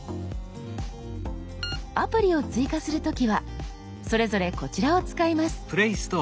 アプリを追加する時はそれぞれこちらを使います。